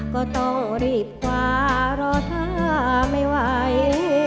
ก็ต้องรีบกว่ารอเธอไม่ไหว